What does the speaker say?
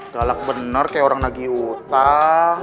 galak bener kayak orang nagi utang